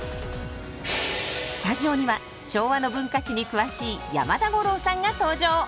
スタジオには昭和の文化史に詳しい山田五郎さんが登場！